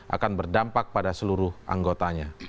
akan berdampak pada seluruh anggotanya